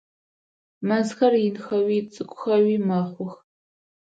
Мэзхэр инхэуи цӏыкӏухэуи мэхъух.